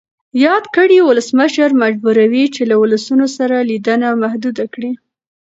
یاده کړۍ ولسمشر مجبوروي چې له ولسونو سره لیدنه محدوده کړي.